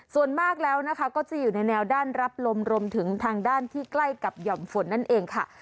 ส่วนมากแล้วนะคะก็จะอยู่ในแนวด้านรับลมรวมถึงทางด้านที่ใกล้กับหย่อมฝนนั่นเองค่ะ